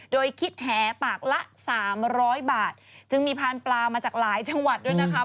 โดยคิดแหปากละสามร้อยบาทจึงมีพานปลามาจากหลายจังหวัดด้วยนะคะ